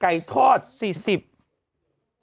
ไก่ทอด๔๐บาท